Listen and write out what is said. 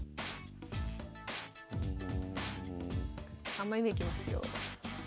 ３枚目いきますよ。